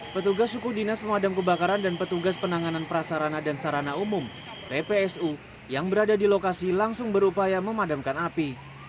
petugas suku dinas pemadam kebakaran dan petugas penanganan prasarana dan sarana umum ppsu yang berada di lokasi langsung berupaya memadamkan api